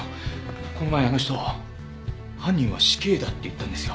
この前あの人犯人は死刑だって言ったんですよ。